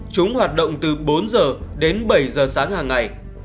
chúng hoạt động từ bốn giờ đến bảy giờ sáng hàng ngày